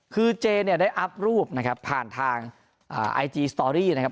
คือเจเนี่ยได้อัพรูปนะครับผ่านทางไอจีสตอรี่นะครับ